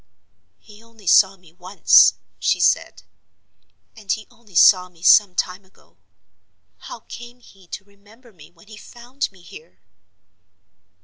"He only saw me once," she said, "and he only saw me some time ago. How came he to remember me when he found me here?"